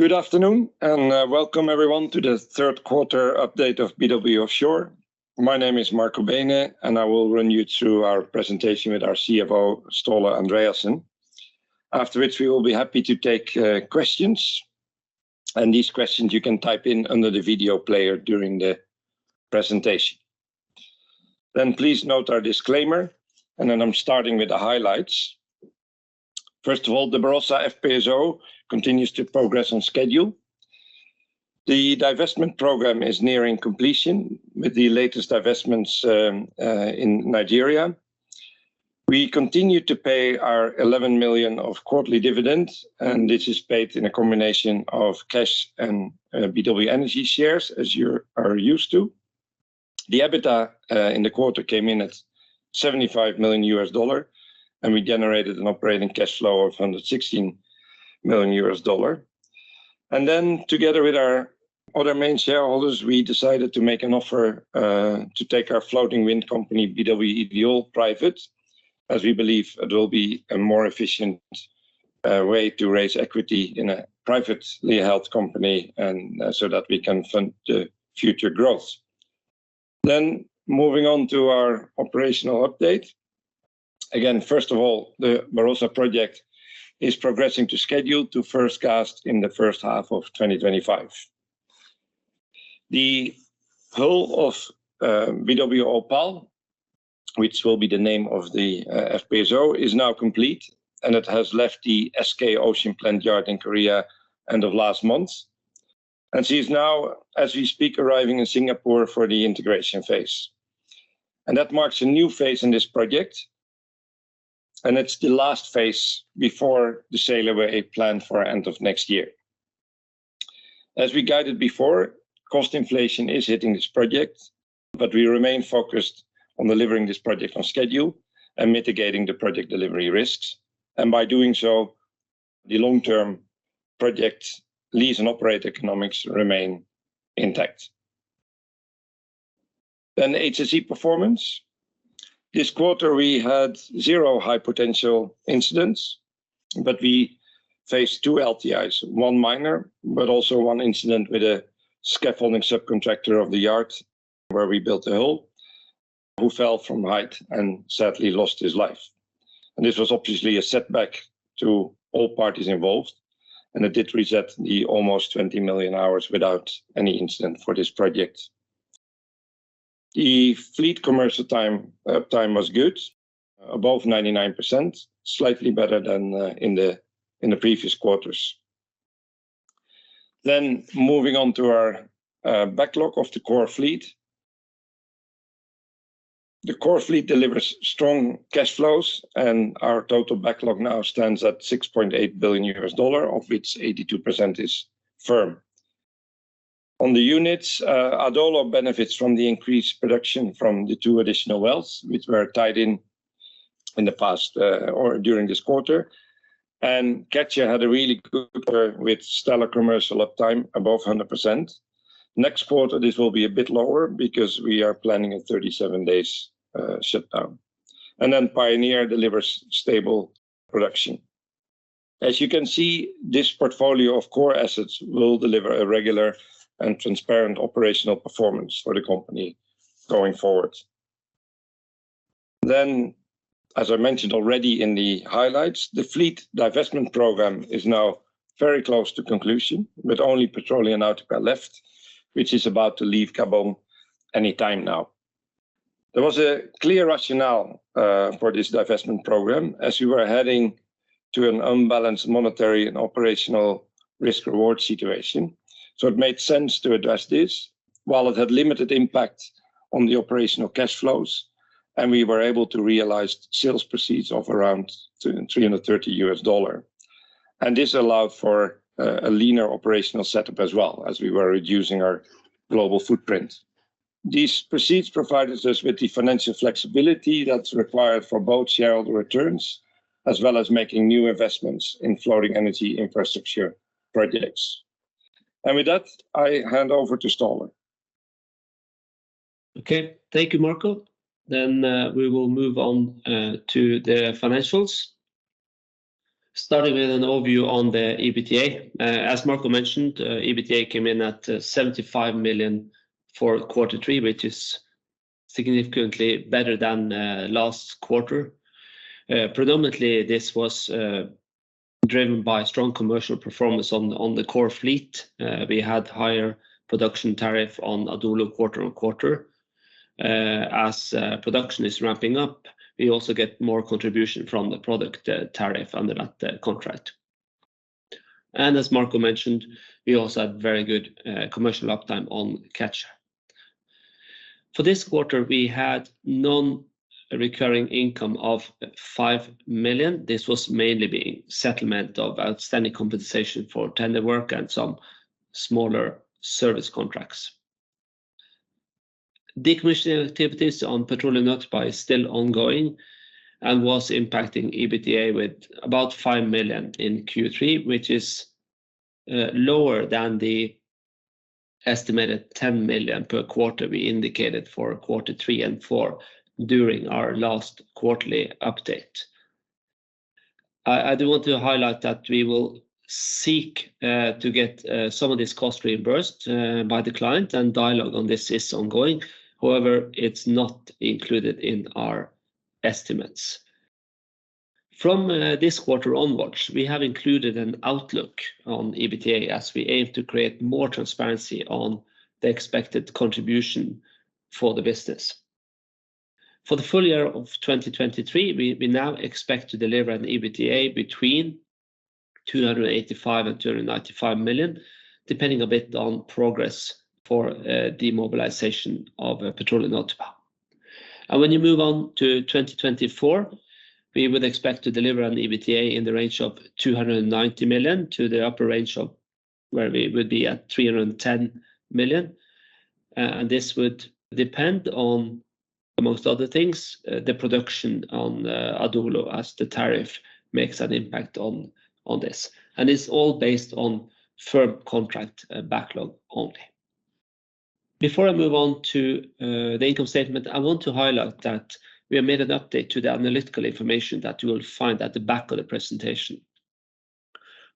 Good afternoon, and welcome everyone to the third quarter update of BW Offshore. My name is Marco Beenen, and I will run you through our presentation with our CFO, Ståle Andreassen. After which we will be happy to take questions, and these questions you can type in under the video player during the presentation. Then please note our disclaimer, and then I'm starting with the highlights. First of all, the Barossa FPSO continues to progress on schedule. The divestment program is nearing completion, with the latest divestments in Nigeria. We continue to pay our $11 million of quarterly dividends, and this is paid in a combination of cash and BW Energy shares, as you are used to. The EBITDA in the quarter came in at $75 million, and we generated an operating cash flow of $116 million. And then, together with our other main shareholders, we decided to make an offer, to take our floating wind company, BW Ideol private, as we believe it will be a more efficient, way to raise equity in a privately held company and, so that we can fund the future growth. Then, moving on to our operational update. Again, first of all, the Barossa project is progressing to schedule to first gas in the first half of 2025. The hull of, BW Opal, which will be the name of the, FPSO, is now complete, and it has left the SK oceanplant yard in Korea end of last month, and she is now, as we speak, arriving in Singapore for the integration phase. That marks a new phase in this project, and it's the last phase before the sailaway planned for end of next year. As we guided before, cost inflation is hitting this project, but we remain focused on delivering this project on schedule and mitigating the project delivery risks, and by doing so, the long-term project lease and operate economics remain intact. HSE performance. This quarter, we had zero high potential incidents, but we faced two LTIs, one minor, but also one incident with a scaffolding subcontractor of the yard where we built a hull, who fell from height and sadly lost his life. This was obviously a setback to all parties involved, and it did reset the almost 20 million hours without any incident for this project. The fleet commercial time, uptime was good, above 99%, slightly better than in the previous quarters. Then moving on to our backlog of the core fleet. The core fleet delivers strong cash flows, and our total backlog now stands at $6.8 billion, of which 82% is firm. On the units, Adolo benefits from the increased production from the two additional wells, which were tied in, in the past, or during this quarter. And Catcher had a really good quarter with stellar commercial uptime above 100%. Next quarter, this will be a bit lower because we are planning a 37 days shutdown. And then Pioneer delivers stable production. As you can see, this portfolio of core assets will deliver a regular and transparent operational performance for the company going forward. Then, as I mentioned already in the highlights, the fleet divestment program is now very close to conclusion, with only Petróleo Nautipa left, which is about to leave Gabon anytime now. There was a clear rationale for this divestment program as we were heading to an unbalanced monetary and operational risk-reward situation. It made sense to address this, while it had limited impact on the operational cash flows, and we were able to realize sales proceeds of around $330. This allowed for a leaner operational setup as well as we were reducing our global footprint. These proceeds provided us with the financial flexibility that's required for both shareholder returns, as well as making new investments in floating energy infrastructure projects. With that, I hand over to Ståle. Okay. Thank you, Marco. Then we will move on to the financials. Starting with an overview on the EBITDA. As Marco mentioned, EBITDA came in at $75 million for quarter three, which is significantly better than last quarter. Predominantly, this was driven by strong commercial performance on the core fleet. We had higher production tariff on Adolo quarter-on-quarter. As production is ramping up, we also get more contribution from the production tariff under that contract. And as Marco mentioned, we also had very good commercial uptime on Catcher. For this quarter, we had non-recurring income of $5 million. This was mainly the settlement of outstanding compensation for tender work and some smaller service contracts. Decommissioning activities on Petróleo Nautipa is still ongoing and was impacting EBITDA with about $5 million in Q3, which is lower than the estimated $10 million per quarter we indicated for quarter three and four during our last quarterly update. I, I do want to highlight that we will seek to get some of these costs reimbursed by the client, and dialogue on this is ongoing. However, it's not included in our estimates. From this quarter onwards, we have included an outlook on EBITDA as we aim to create more transparency on the expected contribution for the business. For the full year of 2023, we, we now expect to deliver an EBITDA between $285 million-$295 million, depending a bit on progress for demobilization of Petróleo Nautipa. When you move on to 2024, we would expect to deliver an EBITDA in the range of $290 million-$310 million. This would depend on most other things, the production on Adolo, as the tariff makes an impact on this, and it's all based on firm contract backlog only. Before I move on to the income statement, I want to highlight that we have made an update to the analytical information that you will find at the back of the presentation.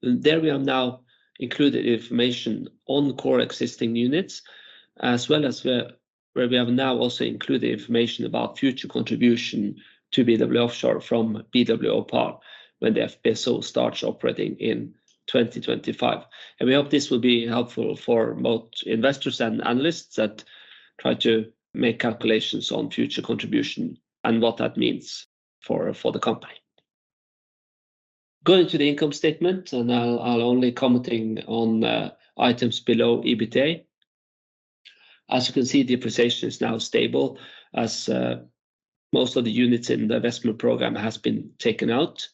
There, we have now included information on core existing units, as well as where, where we have now also included information about future contribution to BW Offshore from BW Opal, when the FPSO starts operating in 2025. And we hope this will be helpful for both investors and analysts that try to make calculations on future contribution and what that means for, for the company. Going to the income statement, and I'll, I'll only commenting on items below EBITDA. As you can see, depreciation is now stable, as most of the units in the investment program has been taken out.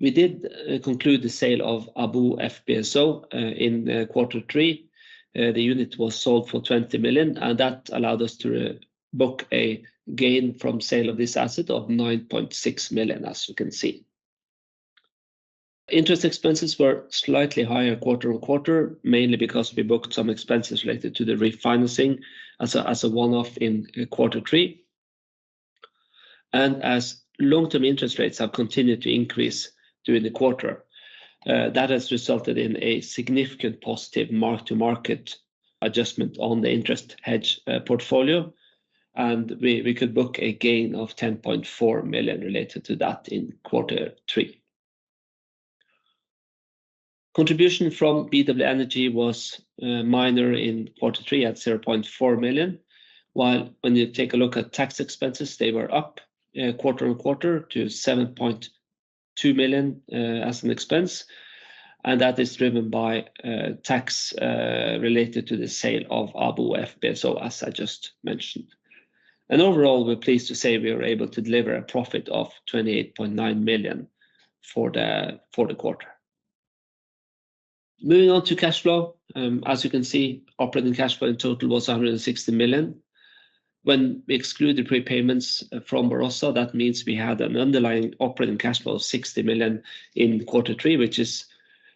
We did conclude the sale of Abo FPSO in quarter three. The unit was sold for $20 million, and that allowed us to book a gain from sale of this asset of $9.6 million, as you can see. Interest expenses were slightly higher quarter on quarter, mainly because we booked some expenses related to the refinancing as a, as a one-off in quarter three. As long-term interest rates have continued to increase during the quarter, that has resulted in a significant positive mark-to-market adjustment on the interest hedge portfolio, and we could book a gain of $10.4 million related to that in quarter three. Contribution from BW Energy was minor in quarter three at $0.4 million. While, when you take a look at tax expenses, they were up quarter-on-quarter to $7.2 million as an expense, and that is driven by tax related to the sale of Abo FPSO, as I just mentioned. And overall, we're pleased to say we were able to deliver a profit of $28.9 million for the quarter. Moving on to cash flow. As you can see, operating cash flow in total was $160 million. When we exclude the prepayments from Barossa, that means we had an underlying operating cash flow of $60 million in quarter three, which is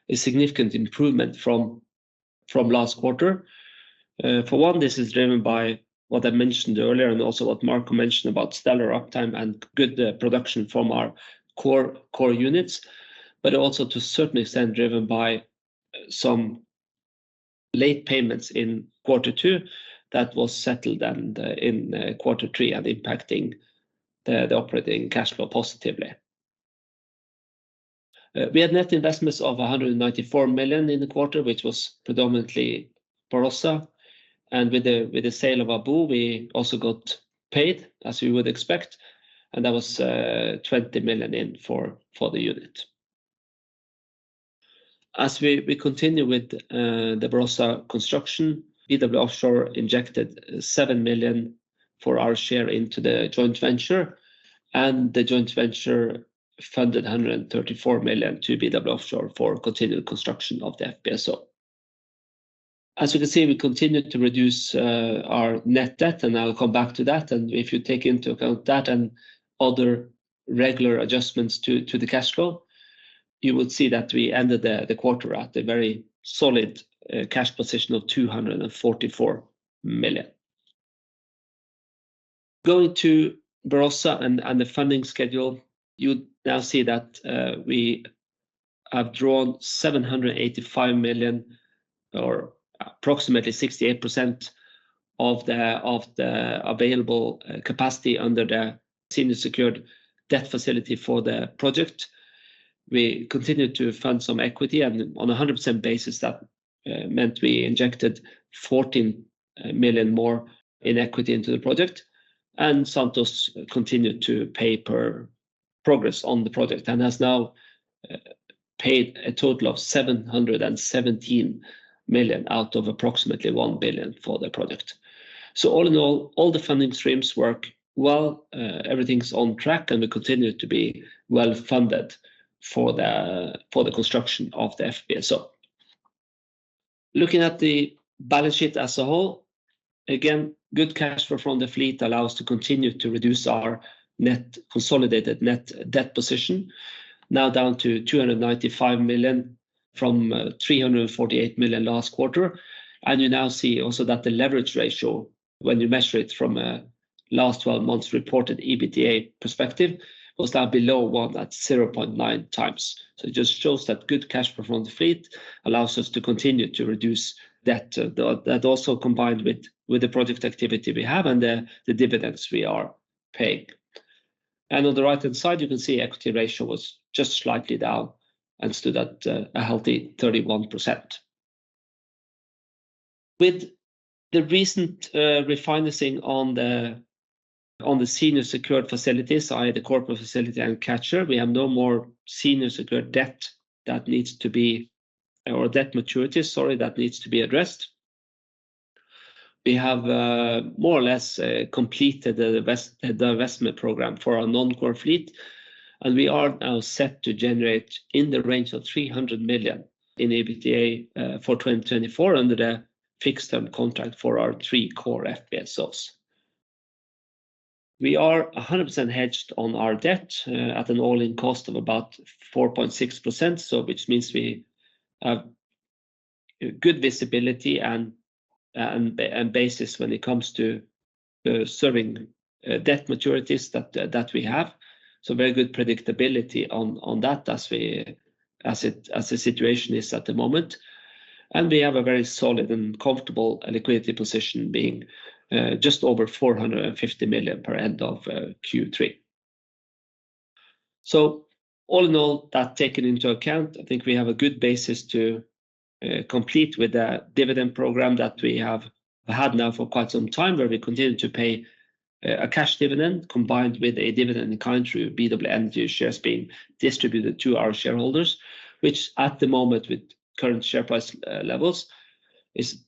a significant improvement from last quarter. For one, this is driven by what I mentioned earlier, and also what Marco mentioned about stellar uptime and good production from our core units, but also to a certain extent, driven by some late payments in quarter two that was settled and in quarter three, and impacting the operating cash flow positively. We had net investments of $194 million in the quarter, which was predominantly Barossa. And with the sale of Abo, we also got paid, as we would expect, and that was $20 million in for the unit. As we continue with the Barossa construction, BW Offshore injected $7 million for our share into the joint venture, and the joint venture funded $134 million to BW Offshore for continued construction of the FPSO. As you can see, we continued to reduce our net debt, and I'll come back to that. And if you take into account that and other regular adjustments to the cash flow, you would see that we ended the quarter at a very solid cash position of $244 million. Going to Barossa and the funding schedule, you now see that we have drawn $785 million or approximately 68% of the available capacity under the senior secured debt facility for the project. We continued to fund some equity, and on a 100% basis, that meant we injected $14 million more in equity into the project, and Santos continued to pay per progress on the project, and has now paid a total of $717 million out of approximately $1 billion for the project. So all in all, all the funding streams work well. Everything's on track, and we continue to be well-funded for the construction of the FPSO. Looking at the balance sheet as a whole. Again, good cash flow from the fleet allows us to continue to reduce our net consolidated net debt position, now down to $295 million from $348 million last quarter. You now see also that the leverage ratio, when you measure it from a last twelve months reported EBITDA perspective, was down below one at 0.9x. So it just shows that good cash flow from the fleet allows us to continue to reduce debt. That also combined with the project activity we have and the dividends we are paying. And on the right-hand side, you can see equity ratio was just slightly down and stood at a healthy 31%. With the recent refinancing on the senior secured facilities, i.e., the corporate facility and Catcher, we have no more senior secured debt that needs to be, or debt maturity, sorry, that needs to be addressed. We have, more or less, completed the divestment program for our non-core fleet, and we are now set to generate in the range of $300 million in EBITDA for 2024 under the fixed-term contract for our three core FPSOs. We are 100% hedged on our debt at an all-in cost of about 4.6%, so which means we have good visibility and basis when it comes to serving debt maturities that we have. So very good predictability on that as the situation is at the moment. And we have a very solid and comfortable liquidity position, being just over $450 million at end of Q3. So all in all, that taken into account, I think we have a good basis to complete with the dividend program that we have had now for quite some time, where we continue to pay a cash dividend combined with a dividend in kind through BW Energy shares being distributed to our shareholders, which at the moment, with current share price levels, is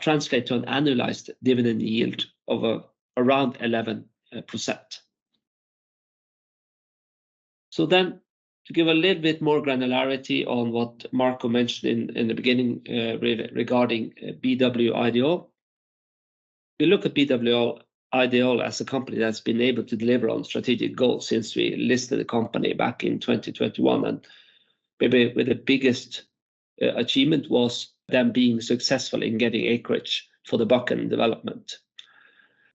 translate to an annualized dividend yield of around 11%. So then, to give a little bit more granularity on what Marco mentioned in the beginning, regarding BW Ideol. We look at BW Ideol as a company that's been able to deliver on strategic goals since we listed the company back in 2021, and maybe where the biggest achievement was them being successful in getting acreage for the Bakken development.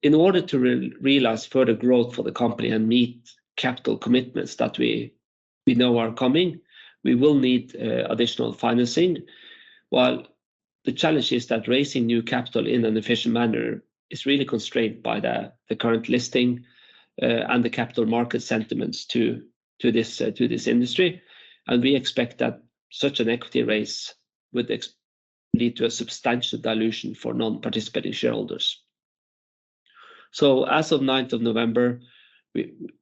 In order to realize further growth for the company and meet capital commitments that we know are coming, we will need additional financing. While the challenge is that raising new capital in an efficient manner is really constrained by the current listing and the capital market sentiments to this industry, and we expect that such an equity raise would lead to a substantial dilution for non-participating shareholders. So as of 9th of November,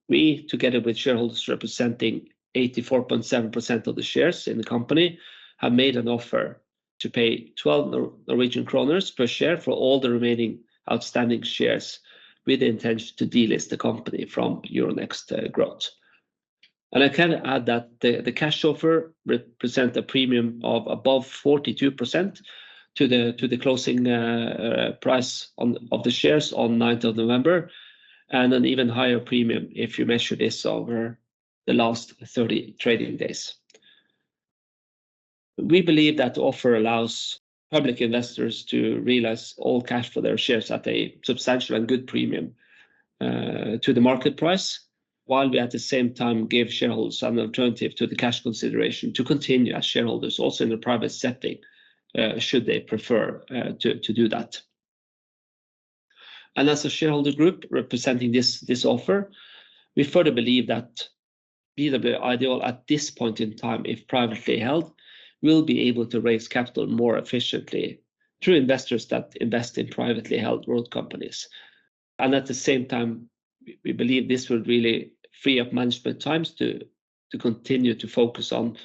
we, together with shareholders representing 84.7% of the shares in the company, have made an offer to pay 12 Norwegian kroner per share for all the remaining outstanding shares, with the intention to delist the company from Euronext Growth. And I can add that the cash offer represent a premium of above 42% to the closing price of the shares on 9th of November, and an even higher premium if you measure this over the last 30 trading days. We believe that offer allows public investors to realize all cash for their shares at a substantial and good premium to the market price, while we at the same time give shareholders an alternative to the cash consideration to continue as shareholders also in a private setting, should they prefer to do that. And as a shareholder group representing this offer, we further believe that BW Ideol, at this point in time, if privately held, will be able to raise capital more efficiently through investors that invest in privately held growth companies. At the same time, we believe this will really free up management time to continue to focus on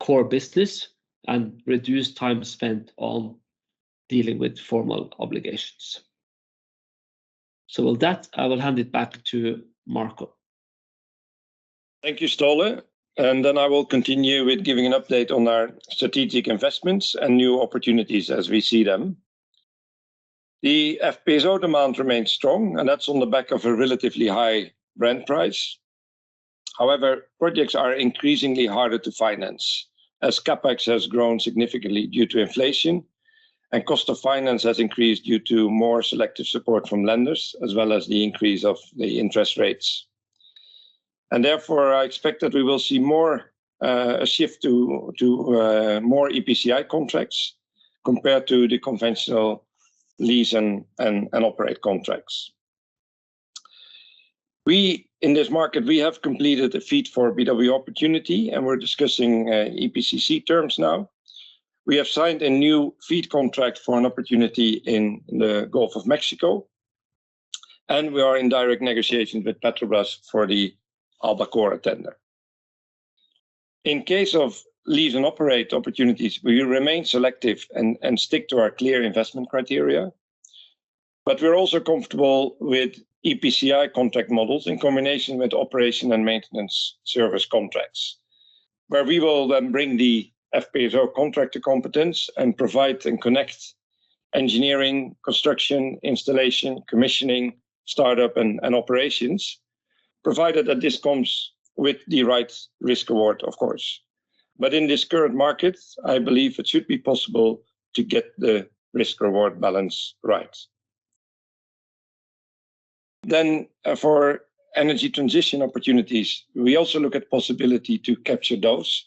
core business and reduce time spent on dealing with formal obligations. With that, I will hand it back to Marco. Thank you, Ståle. Then I will continue with giving an update on our strategic investments and new opportunities as we see them. The FPSO demand remains strong, and that's on the back of a relatively high Brent price. However, projects are increasingly harder to finance, as CapEx has grown significantly due to inflation, and cost of finance has increased due to more selective support from lenders, as well as the increase of the interest rates. Therefore, I expect that we will see more a shift to more EPCI contracts compared to the conventional lease and operate contracts. We in this market have completed a FEED for a BW Opportunity, and we're discussing EPCI terms now. We have signed a new FEED contract for an opportunity in the Gulf of Mexico, and we are in direct negotiations with Petrobras for the Albacora tender. In case of lease and operate opportunities, we will remain selective and stick to our clear investment criteria, but we're also comfortable with EPCI contract models in combination with operation and maintenance service contracts, where we will then bring the FPSO contractor competence and provide and connect engineering, construction, installation, commissioning, startup, and operations, provided that this comes with the right risk reward, of course. But in this current market, I believe it should be possible to get the risk reward balance right. Then, for energy transition opportunities, we also look at possibility to capture those,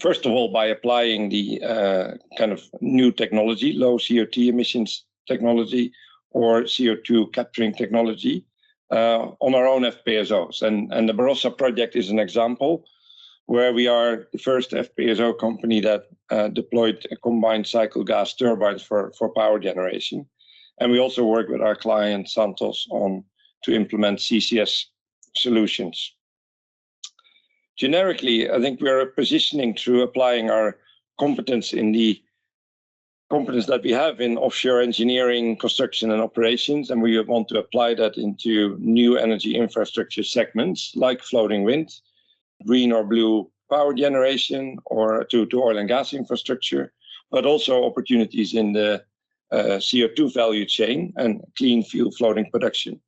first of all, by applying the kind of new technology, low CO2 emissions technology or CO2 capturing technology, on our own FPSOs. The Barossa project is an example where we are the first FPSO company that deployed a combined cycle gas turbines for power generation. And we also work with our client, Santos, on to implement CCS solutions. Generically, I think we are positioning through applying our competence that we have in offshore engineering, construction, and operations, and we want to apply that into new energy infrastructure segments like floating wind, green or blue power generation, or to oil and gas infrastructure, but also opportunities in the CO2 value chain and clean fuel floating production.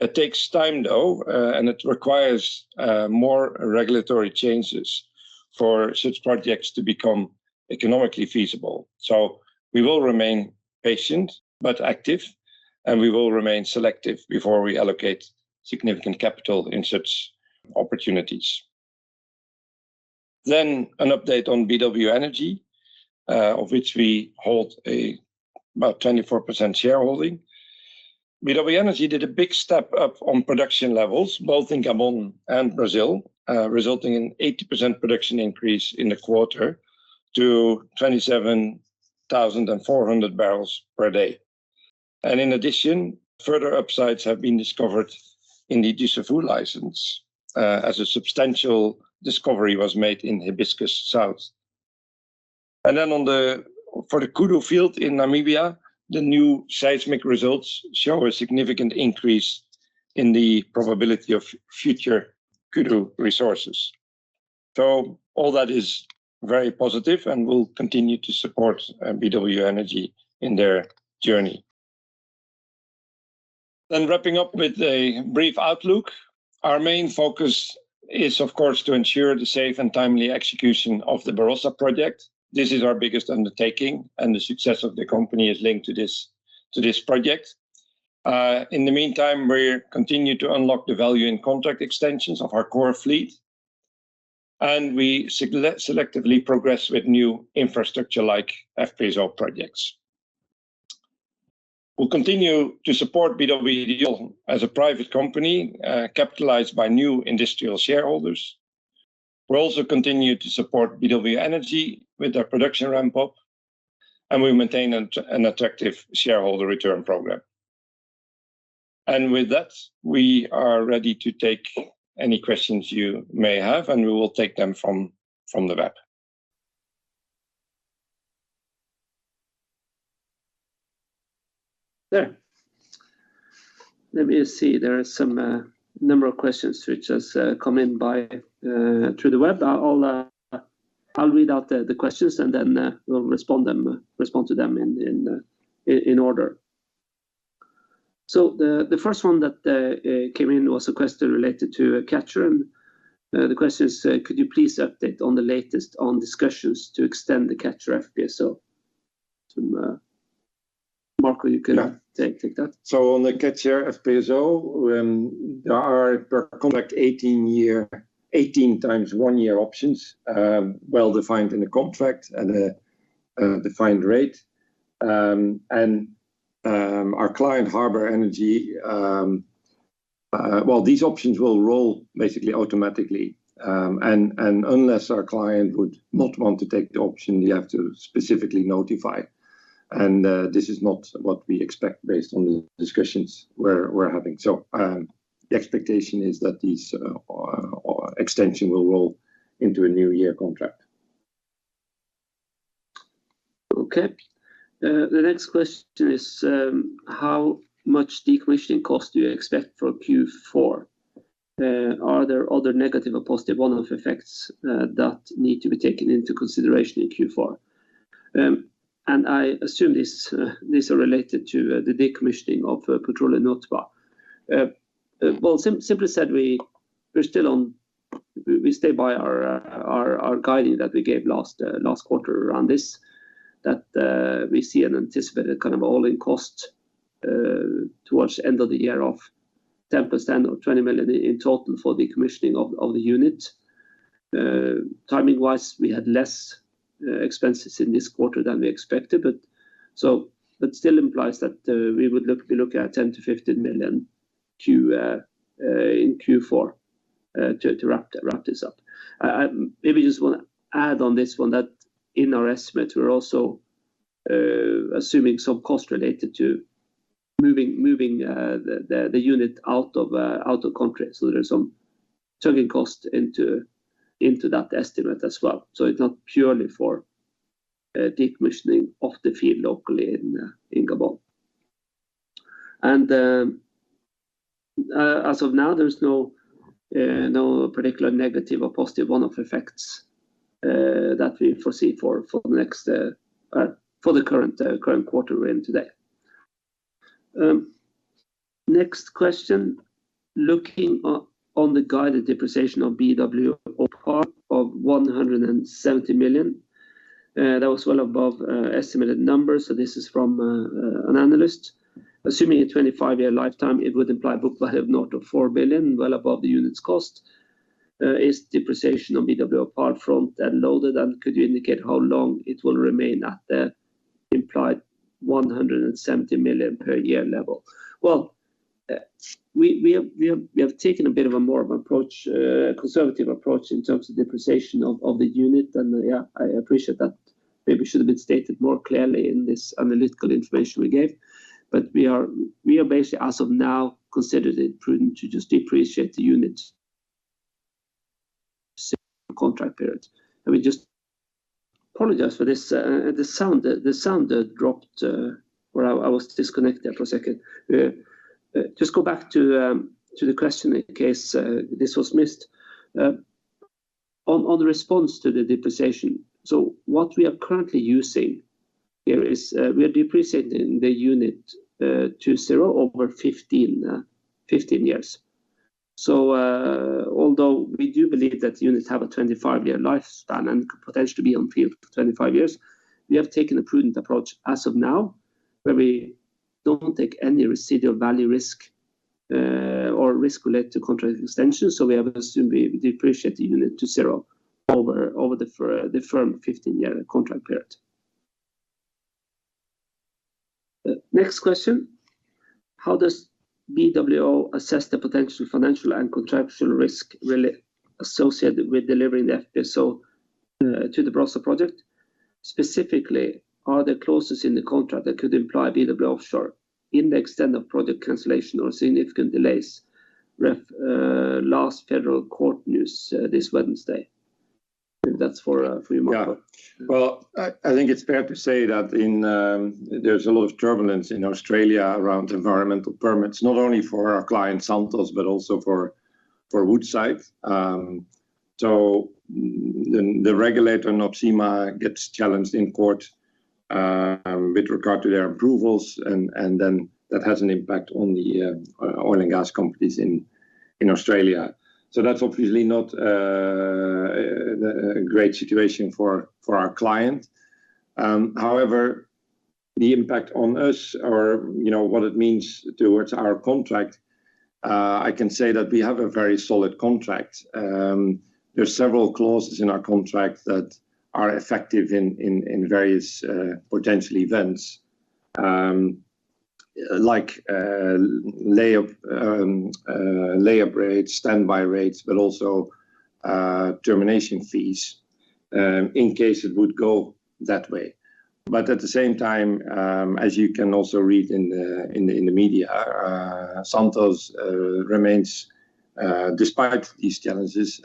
It takes time, though, and it requires more regulatory changes for such projects to become economically feasible. So we will remain patient but active, and we will remain selective before we allocate significant capital in such opportunities. Then an update on BW Energy, of which we hold about 24% shareholding. BW Energy did a big step up on production levels, both in Gabon and Brazil, resulting in 80% production increase in the quarter to 27,400 barrels per day. And in addition, further upsides have been discovered in the Dussafu license, as a substantial discovery was made in Hibiscus South. And then for the Kudu field in Namibia, the new seismic results show a significant increase in the probability of future Kudu resources. So all that is very positive and will continue to support BW Energy in their journey. Then wrapping up with a brief outlook, our main focus is, of course, to ensure the safe and timely execution of the Barossa project. This is our biggest undertaking, and the success of the company is linked to this, to this project. In the meantime, we continue to unlock the value in contract extensions of our core fleet, and we selectively progress with new infrastructure like FPSO projects. We'll continue to support BW Ideol as a private company, capitalized by new industrial shareholders. We'll also continue to support BW Energy with their production ramp-up, and we maintain an attractive shareholder return program. And with that, we are ready to take any questions you may have, and we will take them from the web. There. Let me see. There are some number of questions which has come in through the web. I'll read out the questions, and then we'll respond to them in order. So the first one that came in was a question related to a Catcher, and the question is, could you please update on the latest on discussions to extend the Catcher FPSO? To Marco, you could- Yeah. Take, take that. So on the Catcher FPSO, there are contract 18 times one year options, well defined in the contract at a defined rate. And our client, Harbour Energy, well, these options will roll basically automatically, and unless our client would not want to take the option, you have to specifically notify. And this is not what we expect based on the discussions we're having. So the expectation is that these extension will roll into a new year contract. Okay. The next question is, how much decommissioning costs do you expect for Q4? Are there other negative or positive one-off effects that need to be taken into consideration in Q4? And I assume this, these are related to the decommissioning of Petróleo Nautipa. Well, simply said, we're still on. We stay by our guiding that we gave last quarter around this, that we see an anticipated kind of all-in cost towards the end of the year of 10% or $20 million in total for decommissioning of the unit. Timing-wise, we had less expenses in this quarter than we expected, but so that still implies that we would be looking at $10-$15 million in Q4 to wrap this up. I maybe just want to add on this one that in our estimate, we're also assuming some cost related to moving the unit out of country. So there's some towing cost into that estimate as well. So it's not purely for decommissioning of the field locally in Gabon. As of now, there's no particular negative or positive one-off effects that we foresee for the current quarter we're in today. Next question. Looking on the guided depreciation of BW Opal of $170 million, that was well above estimated numbers. So this is from an analyst. Assuming a 25-year lifetime, it would imply book value of note of $4 billion, well above the unit's cost. Is depreciation on BW Opal from that loaded, and could you indicate how long it will remain at the implied $170 million per year level? Well, we have taken a bit of a more conservative approach in terms of depreciation of the unit. And, yeah, I appreciate that. Maybe should have been stated more clearly in this analytical information we gave. But we are basically, as of now, considered it prudent to just depreciate the units contract period. Let me just apologize for this, the sound dropped, or I was disconnected there for a second. Just go back to the question in case this was missed. On the response to the depreciation. So what we are currently using here is, we are depreciating the unit to zero over 15 years. So, although we do believe that the units have a 25-year lifespan and could potentially be on field for 25 years, we have taken a prudent approach as of now, where we don't take any residual value risk or risk related to contract extension. So we have assumed we depreciate the unit to zero over the firm 15-year contract period. Next question: How does BWO assess the potential financial and contractual risk related-associated with delivering the FPSO to the Barossa project? Specifically, are there clauses in the contract that could imply BW Offshore in the extent of project cancellation or significant delays, last Federal Court news this Wednesday? I think that's for you, Marco. Yeah. Well, I think it's fair to say that in, there's a lot of turbulence in Australia around environmental permits, not only for our client, Santos, but also for Woodside. So then the regulator, NOPSEMA, gets challenged in court, with regard to their approvals, and then that has an impact on the oil and gas companies in Australia. So that's obviously not a great situation for our client. However, the impact on us or, you know, what it means towards our contract, I can say that we have a very solid contract. There are several clauses in our contract that are effective in various potential events, like lay up rates, standby rates, but also termination fees, in case it would go that way. But at the same time, as you can also read in the media, Santos remains, despite these challenges,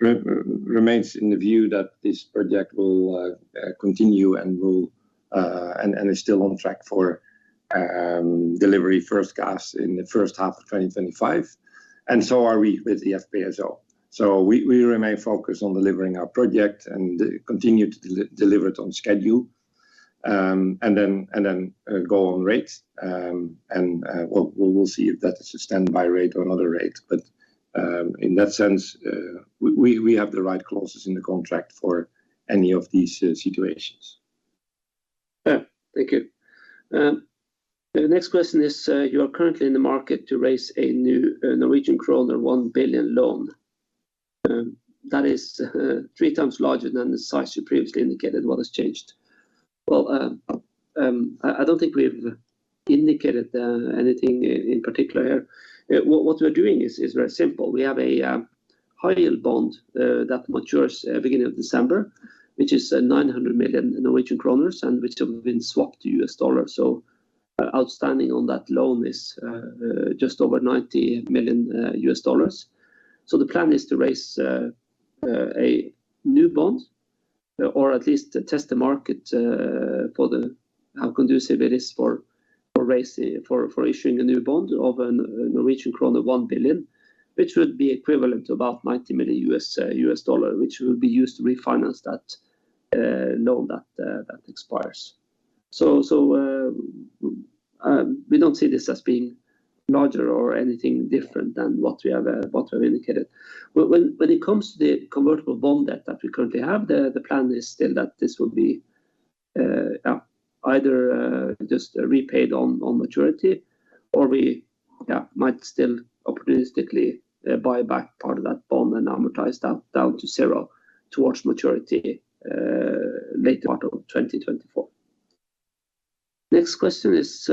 remains in the view that this project will continue and is still on track for delivery first gas in the first half of 2025, and so are we with the FPSO. So we remain focused on delivering our project and continue to deliver it on schedule, and then go on rate. And we'll see if that's a standby rate or another rate. But in that sense, we have the right clauses in the contract for any of these situations. Yeah, thank you. The next question is, you are currently in the market to raise a new Norwegian kroner 1 billion loan. That is 3x larger than the size you previously indicated. What has changed? Well, I don't think we've indicated anything in particular. What we're doing is very simple. We have a high yield bond that matures beginning of December, which is 900 million Norwegian kroner, and which have been swapped to US dollars. So outstanding on that loan is just over $90 million. So the plan is to raise a new bond, or at least test the market, for the... How conducive it is for issuing a new bond of Norwegian krone 1 billion, which would be equivalent to about $90 million, which will be used to refinance that loan that expires. We don't see this as being larger or anything different than what we have indicated. When it comes to the convertible bond debt that we currently have, the plan is still that this will be either just repaid on maturity, or we might still opportunistically buy back part of that bond and amortize that down to zero towards maturity late part of 2024. Next question is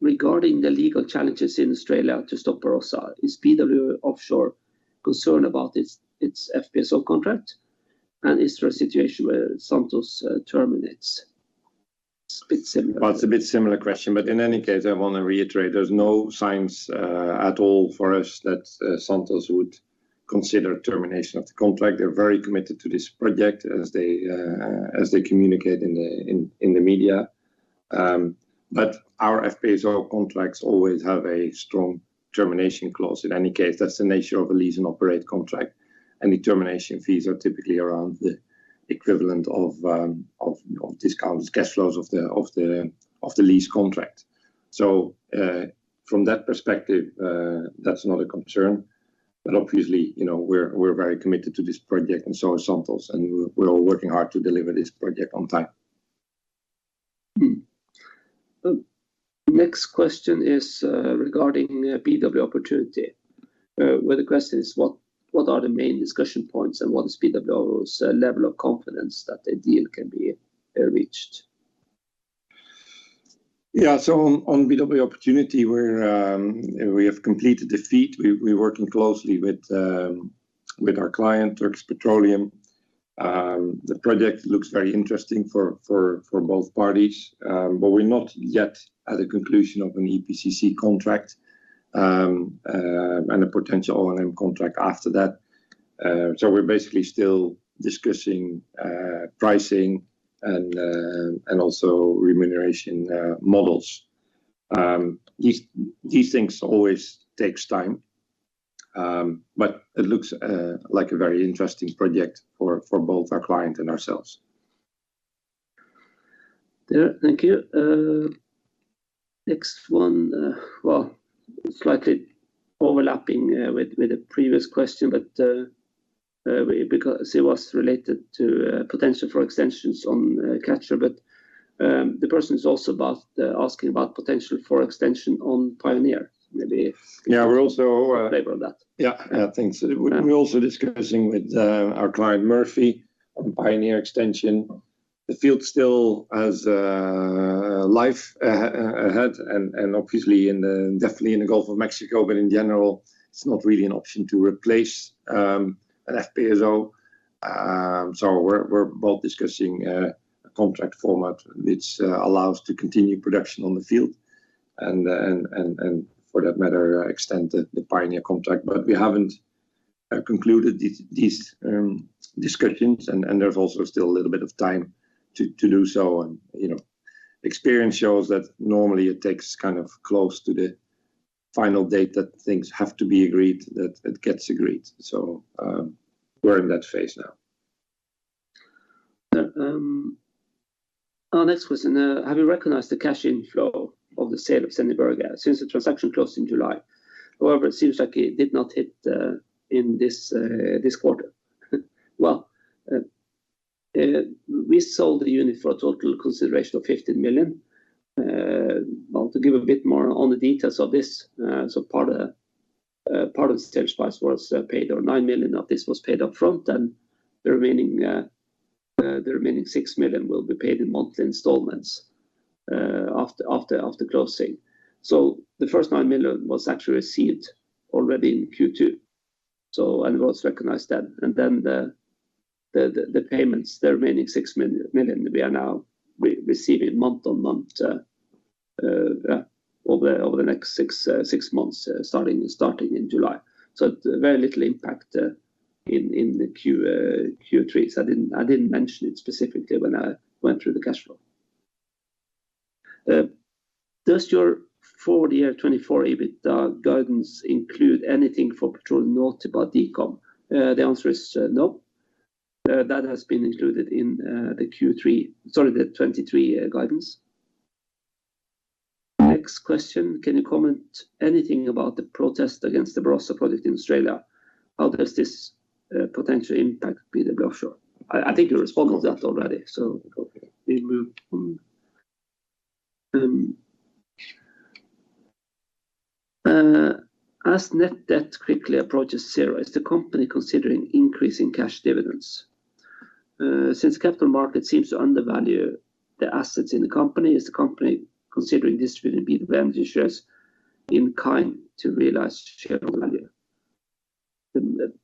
regarding the legal challenges in Australia to stop Barossa. Is BW Offshore concerned about its FPSO contract? Is there a situation where Santos terminates? It's a bit similar- Well, it's a bit similar question, but in any case, I want to reiterate, there's no signs at all for us that Santos would consider termination of the contract. They're very committed to this project as they communicate in the media. But our FPSO contracts always have a strong termination clause. In any case, that's the nature of a lease and operate contract, and the termination fees are typically around the equivalent of discounted cash flows of the lease contract. So, from that perspective, that's not a concern. But obviously, you know, we're very committed to this project, and so is Santos, and we're all working hard to deliver this project on time. The next question is regarding BW Opportunity, where the question is: what are the main discussion points, and what is BW's level of confidence that a deal can be reached? Yeah, so on BW Opportunity, we have completed the FEED. We're working closely with our client, Turkish Petroleum. The project looks very interesting for both parties. But we're not yet at a conclusion of an EPCI contract, and a potential O&M contract after that. So we're basically still discussing pricing and also remuneration models. These things always takes time, but it looks like a very interesting project for both our client and ourselves. Yeah, thank you. Next one, well, slightly overlapping with the previous question, but because it was related to potential for extensions on Catcher. But the person is also asking about potential for extension on Pioneer. Maybe if- Yeah, we're also, Favor on that. Yeah, I think so. We're also discussing with our client, Murphy, on Pioneer extension. The field still has life ahead, and obviously definitely in the Gulf of Mexico, but in general, it's not really an option to replace an FPSO. So we're both discussing a contract format which allows to continue production on the field and for that matter extend the Pioneer contract. But we haven't concluded these discussions, and there's also still a little bit of time to do so. And, you know, experience shows that normally it takes kind of close to the final date that things have to be agreed, that it gets agreed. So we're in that phase now. Our next question: have you recognized the cash inflow of the sale of Sendje Berge since the transaction closed in July? However, it seems like it did not hit in this quarter. Well, we sold the unit for a total consideration of $15 million. Well, to give a bit more on the details of this, so part of the sales price was paid, or $9 million of this was paid upfront, and the remaining $6 million will be paid in monthly installments after closing. So the first $9 million was actually received already in Q2, and we also recognized that. Then the payments, the remaining $6 million, we are now receiving month-on-month over the next six months starting in July. So very little impact in the Q3. So I didn't mention it specifically when I went through the cash flow. Does your full year 2024 EBIT guidance include anything for Petróleo Nautipa Decom? The answer is no. That has been included in the Q3... sorry, the 2023 guidance. Next question: Can you comment anything about the protest against the Barossa project in Australia? How does this potentially impact BW Offshore? I think you responded that already, so. Okay. We move on. As net debt quickly approaches zero, is the company considering increasing cash dividends? Since capital market seems to undervalue the assets in the company, is the company considering distributing BW Energy shares in kind to realize shareholder value?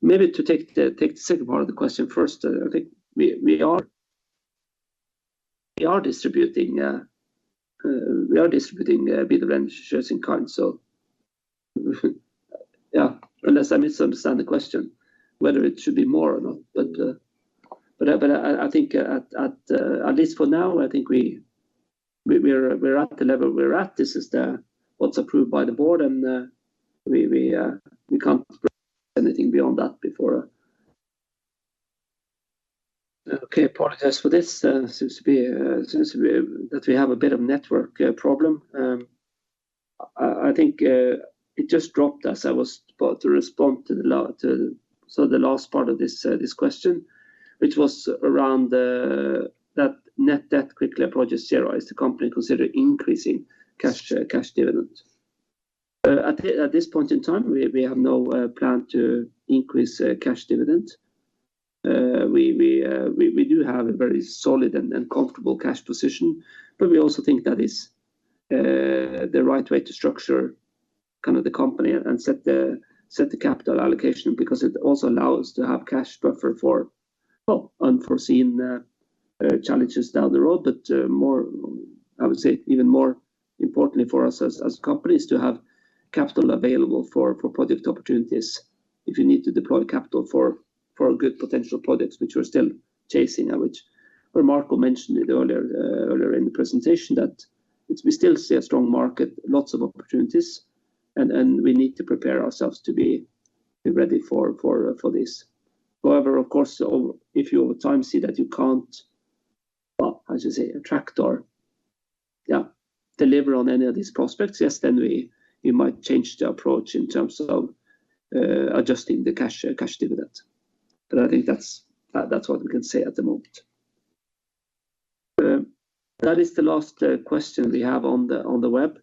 Maybe to take the second part of the question first, I think we are distributing BW Energy shares in kind. So yeah, unless I misunderstand the question, whether it should be more or not. But I think at least for now, I think we're at the level we're at. This is what's approved by the board, and we can't bring anything beyond that before. Okay, apologize for this. Seems to be that we have a bit of network problem. I think it just dropped as I was about to respond to the last part of this question, which was around that net debt quickly approaches zero, is the company considering increasing cash dividends? At this point in time, we have no plan to increase cash dividend. We do have a very solid and comfortable cash position, but we also think that is the right way to structure kind of the company and set the capital allocation, because it also allows to have cash buffer for well, unforeseen challenges down the road. But, more, I would say, even more importantly for us as, as companies to have capital available for, for project opportunities, if you need to deploy capital for, for good potential projects which we're still chasing, which Marco mentioned it earlier, earlier in the presentation, that it's—we still see a strong market, lots of opportunities, and, and we need to prepare ourselves to be ready for, for, for this. However, of course, if you over time see that you can't, how should I say, attract or, yeah, deliver on any of these prospects, yes, then we, we might change the approach in terms of, adjusting the cash, cash dividend. But I think that's, that's what we can say at the moment. That is the last, question we have on the, on the web.